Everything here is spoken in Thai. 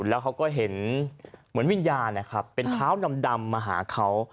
แล้วเขาก็เห็นเหมือนวิญญาณนะครับเป็นเท้าดำมาหาเขา